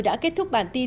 đã kết thúc bản tin